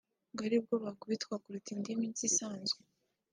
ngo aribwo bakubitwa kuruta indi minsi isanzwe